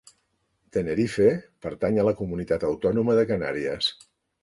Tenerife pertany a la comunitat autònoma de Canàries.